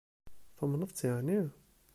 Tumneḍ-t yeεni?